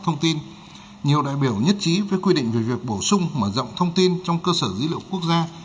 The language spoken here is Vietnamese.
thông tin nhiều đại biểu nhất trí với quy định về việc bổ sung mở rộng thông tin trong cơ sở dữ liệu quốc gia